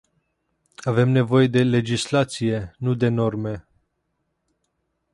Avem nevoie de legislație, nu de norme.